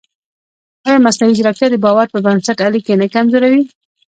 ایا مصنوعي ځیرکتیا د باور پر بنسټ اړیکې نه کمزورې کوي؟